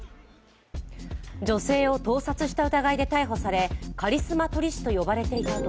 女性を盗撮した疑いで逮捕され、カリスマ撮り師と呼ばれていた男。